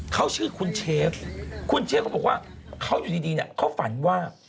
เขาชื่อคุณเชฟคุณเชฟเขาบอกว่าเขาอยู่ดีเนี่ยเขาฝันว่า